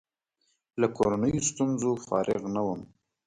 له کورنیو ستونزو فارغ نه وم.